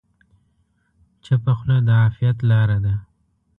چپه خوله، د عافیت لاره ده.